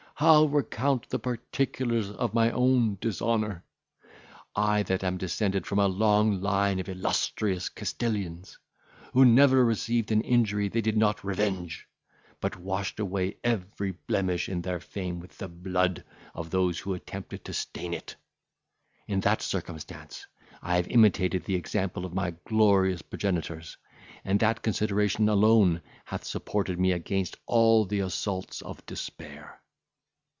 how recount the particulars of my own dishonour! I that am descended from a long line of illustrious Castilians, who never received an injury they did not revenge, but washed away every blemish in their fame with the blood of those who attempted to stain it! In that circumstance I have imitated the example of my glorious progenitors, and that consideration alone hath supported me against all the assaults of despair.